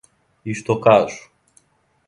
И што кажу?